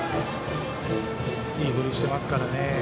いい振りしてますからね。